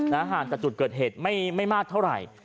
แต่จุดเกิดเหตุไม่มากเท่าไหร่